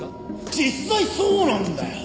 実際そうなんだよ。